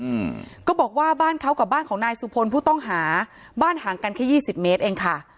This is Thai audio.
อืมก็บอกว่าบ้านเขากับบ้านของนายสุพลผู้ต้องหาบ้านห่างกันแค่ยี่สิบเมตรเองค่ะ